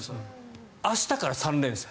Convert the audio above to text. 明日から３連戦。